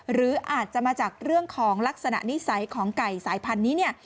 หรืออาจจะมาจากเรื่องของลักษณะนิสัยของไก่สายพันธุ์นี้เนี่ย